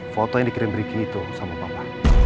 foto yang dikirim bricky itu sama papa